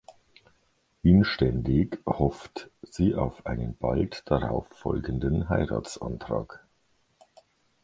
Inständig hofft sie auf einen bald darauf folgenden Heiratsantrag.